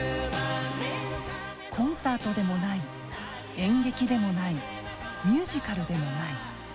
コンサートでもない演劇でもないミュージカルでもない。